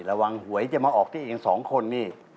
หวยจะมาออกที่เองสองคนนี่